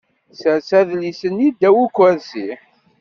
Sers adlis-nni ddaw ukersi.